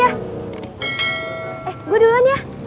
eh gue duluan ya